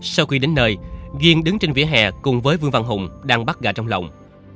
sau khi đến nơi duyên đứng trên vỉa hè cùng với vương văn hùng đang bắt gà trong lòng